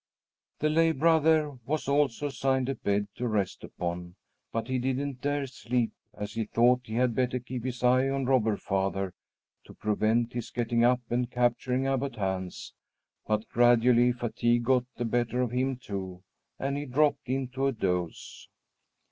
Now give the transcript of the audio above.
The lay brother was also assigned a bed to rest upon, but he didn't dare sleep, as he thought he had better keep his eye on Robber Father to prevent his getting up and capturing Abbot Hans. But gradually fatigue got the better of him, too, and he dropped into a doze.